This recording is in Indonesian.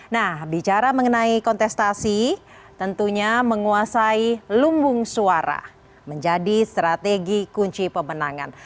nah bicara mengenai kontestasi tentunya menguasai lumbung suara menjadi strategi kunci pemenangan